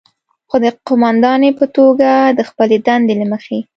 خو د قوماندانې په توګه د خپلې دندې له مخې،